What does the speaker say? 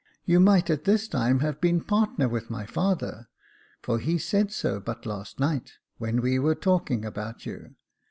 You might at this time have been partner with my father, for he said so but last night, when we were talking about you.